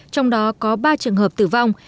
trong đó có ba trường hợp tử vong